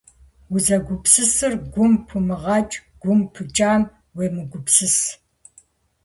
Узэгупсысыр гум пумыгъэкӏ, гум пыкӏам уемыгупсыс.